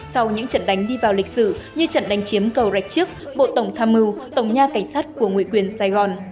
sau những trận đánh đi vào lịch sử như trận đánh chiếm cầu rạch chiếc bộ tổng tham mưu tổng nha cảnh sát của nguyện quyền sài gòn